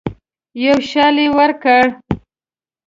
یو شال یې ورکړ.